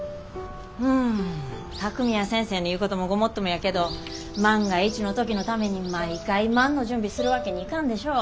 うん巧海や先生の言うこともごもっともやけど万が一の時のために毎回「万」の準備するわけにいかんでしょ。